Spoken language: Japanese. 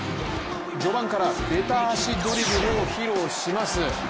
序盤からべた足ドリブルを披露します。